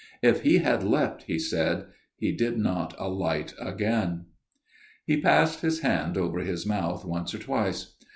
If he had leapt," he said, " he did not alight again." He passed his hand over his mouth once or twice.